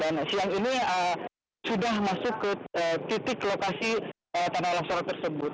dan siang ini sudah masuk ke titik lokasi tanah longsor tersebut